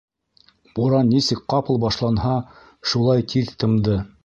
Буран нисек ҡапыл башланһа, шулай тиҙ тымды.